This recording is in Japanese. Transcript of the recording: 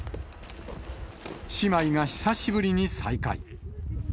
姉妹が久しぶりに再会。